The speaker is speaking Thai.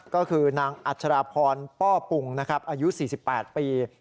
ก็คือนางอัชราพรป้อปปุงนะครับอายุ๔๘ปี